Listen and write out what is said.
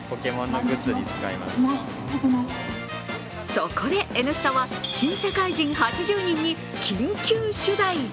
そこで「Ｎスタ」は新社会人８０人に緊急取材。